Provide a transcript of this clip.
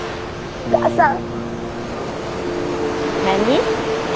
お母さん。